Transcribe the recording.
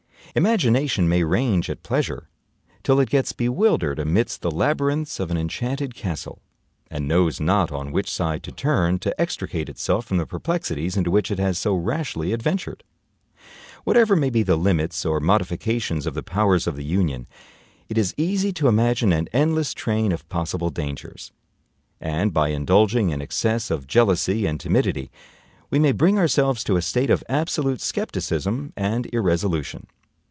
Imagination may range at pleasure till it gets bewildered amidst the labyrinths of an enchanted castle, and knows not on which side to turn to extricate itself from the perplexities into which it has so rashly adventured. Whatever may be the limits or modifications of the powers of the Union, it is easy to imagine an endless train of possible dangers; and by indulging an excess of jealousy and timidity, we may bring ourselves to a state of absolute scepticism and irresolution.